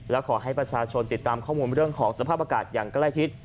และขอให้ประชาชนติดตามข้อมูลเรื่องของสภาพอากาศอย่างใกล้ชิด